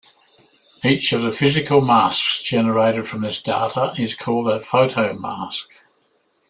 Each of the physical masks generated from this data is called a photomask.